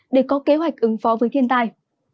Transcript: để có kế hoạch ứng phó với thiên tai